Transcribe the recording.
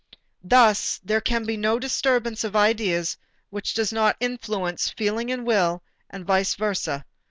Thus there can be no disturbance of ideas which does not influence feeling and will, and vice versa.